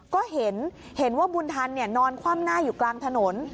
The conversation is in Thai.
ก็เห็นว่าบุญทันนอนคว่ำหน้าอยู่กลางถนน